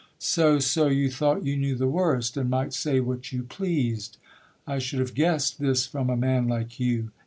So, so, you thought You knew the worst, and might say what you pleased. I should have guess'd this from a man like you.